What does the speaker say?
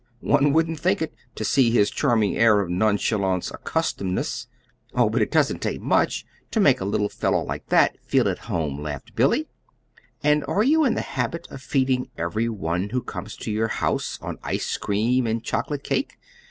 "Humph! One wouldn't think it, to see his charming air of nonchalant accustomedness." "Oh, but it doesn't take much to make a little fellow like that feel at home," laughed Billy. "And are you in the habit of feeding every one who comes to your house, on ice cream and chocolate cake?